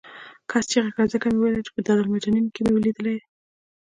کس چغه کړه ځکه مې وویل چې په دارالمجانین کې مې لیدلی یې.